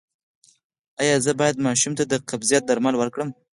ایا زه باید ماشوم ته د قبضیت درمل ورکړم؟